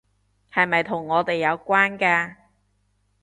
係咪同我哋有關㗎？